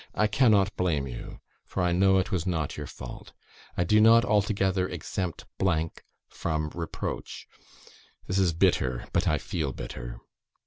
I cannot blame you, for I know it was not your fault. I do not altogether exempt from reproach. ... This is bitter, but I feel bitter.